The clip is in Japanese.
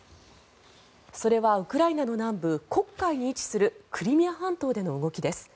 それはウクライナの南部黒海に位置するクリミア半島での動きです。